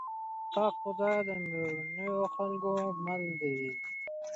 پاک خدای د مېړنيو خلکو مل دی.